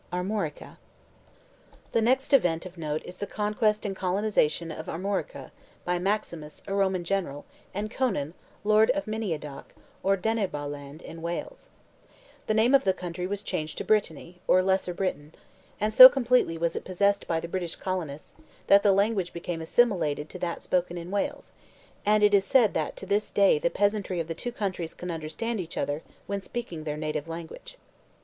ARMORICA The next event of note is the conquest and colonization of Armorica, by Maximus, a Roman general, and Conan, lord of Miniadoc or Denbigh land, in Wales. The name of the country was changed to Brittany, or Lesser Britain; and so completely was it possessed by the British colonists, that the language became assimilated to that spoken in Wales, and it is said that to this day the peasantry of the two countries can understand each other when speaking their native language.